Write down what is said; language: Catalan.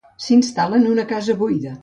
S'instal·la en una casa buida.